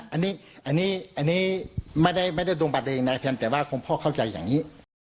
อันนี้มันไม่ได้รวมบัติแต่ว่าพ่อเข้าใจอย่างนี้